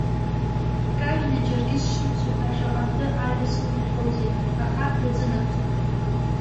Бкажьны џьаргьы сшымцо ҳәа шаҟантәы ажәа сылҭахьоузеи, аха илзынагӡом.